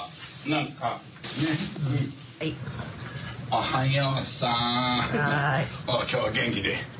おっ今日は元気で。